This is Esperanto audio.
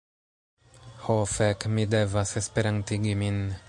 Ho fek, mi devas Esperantigi min.